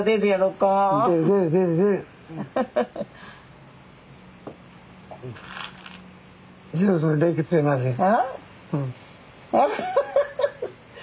うん。